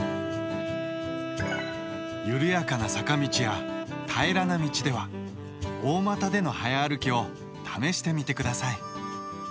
ゆるやかな坂道や平らな道では大股での早歩きを試してみてください。